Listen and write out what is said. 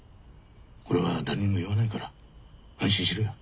これは誰にも言わないから安心しろや。